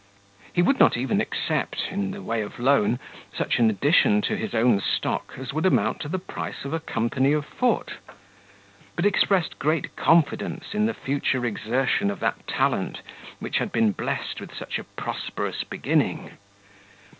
He would not even accept, in the way of loan, such an addition to his own stock, as would amount to the price of a company of foot; but expressed great confidence in the future exertion of that talent which had been blessed with such a prosperous beginning.